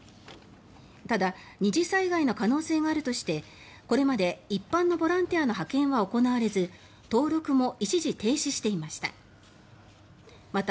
ただ、二次災害の可能性があるとしてこれまで一般のボランティアの派遣は行われず登録も一時、停止していました。